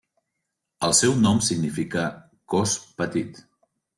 El seu nom significa 'cos petit'.